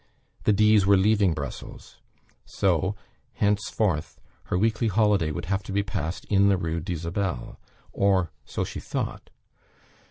The D.s were leaving Brussels; so, henceforth, her weekly holiday would have to be passed in the Rue d'Isabelle, or so she thought.